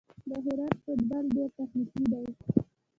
د هرات فوټبال ډېر تخنیکي دی.